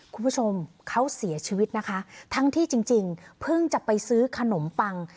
คุณผู้ชมเขาเสียชีวิตนะคะทั้งที่จริงเพิ่งจะไปซื้อขนมปัง